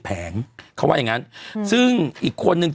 เป็นการกระตุ้นการไหลเวียนของเลือด